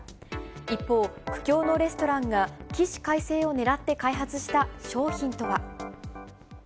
一方、苦境のレストランが、起死回生をねらって開発した商品とは。